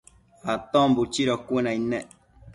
Aton buchido cuënaid nec